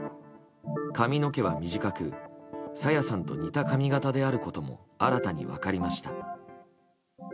髪の毛は短く朝芽さんと似た髪形であることも新たに分かりました。